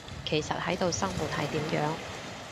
其實喺度生活，係點樣？